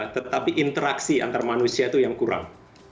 tetapi interaksi antar manusia itu yang kurang